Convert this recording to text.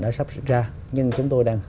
đã sắp ra nhưng chúng tôi đang